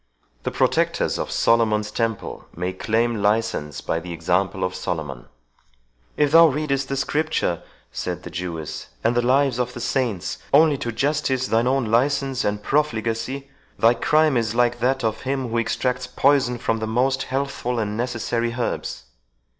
The protectors of Solomon's Temple may claim license by the example of Solomon." "If thou readest the Scripture," said the Jewess, "and the lives of the saints, only to justify thine own license and profligacy, thy crime is like that of him who extracts poison from the most healthful and necessary herbs."